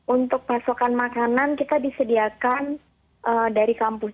untuk pasokan makanan kita disediakan dari kampus